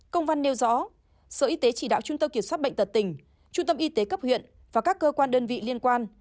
công văn nêu rõ sở y tế chỉ đạo trung tâm kiểm soát bệnh tật tỉnh trung tâm y tế cấp huyện và các cơ quan đơn vị liên quan